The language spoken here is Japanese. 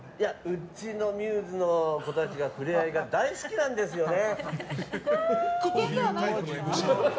うちのＭＵＳＥの子たちが触れ合いが大好きなんですよね。